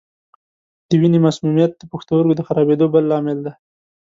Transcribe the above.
د وینې مسمومیت د پښتورګو د خرابېدو بل لامل دی.